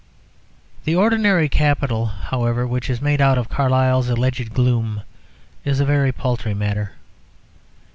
The ordinary capital, however, which is made out of Carlyle's alleged gloom is a very paltry matter.